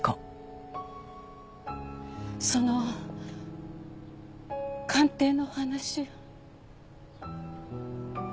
その鑑定の話。